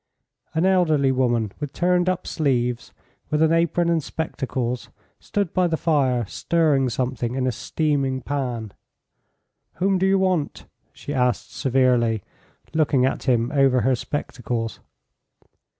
An elderly woman, with turned up sleeves, with an apron and spectacles, stood by the fire stirring something in a steaming pan. "Whom do you want?" she asked severely, looking at him over her spectacles.